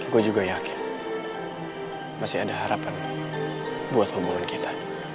gue juga yakin masih ada harapan buat hubungan kita